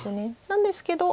なんですけど。